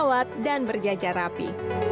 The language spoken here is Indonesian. yang terawat dan berjajar rapi